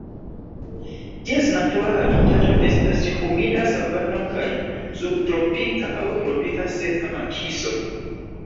Ties natura habitato estas humida savano kaj subtropika aŭ tropika seka makiso.